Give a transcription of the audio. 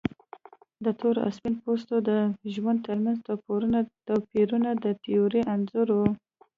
د تور او سپین پوستو د ژوند ترمنځ توپیرونه د تیورۍ انځور و.